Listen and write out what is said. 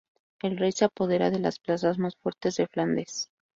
El Rey se apodera de las plazas más fuertes de Flandes.